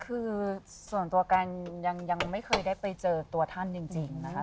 คือส่วนตัวกันยังไม่เคยได้ไปเจอตัวท่านจริงนะคะ